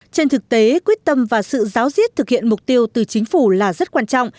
trên thực tế quyết tâm và sự giáo diết thực hiện mục tiêu từ chính phủ là rất quan trọng